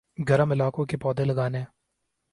گرم علاقوں کے پودے لگانے